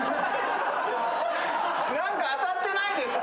何か当たってないですか？